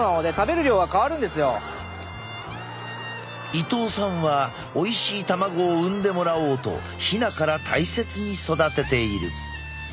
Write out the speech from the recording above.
伊藤さんはおいしい卵を産んでもらおうとヒナから大切に育てている。